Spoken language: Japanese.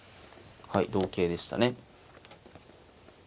はい同桂でしたね。